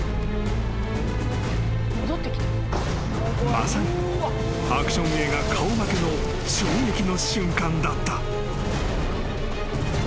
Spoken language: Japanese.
［まさにアクション映画顔負けの衝撃の瞬間だった］